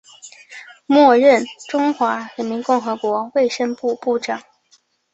末任中华人民共和国卫生部部长。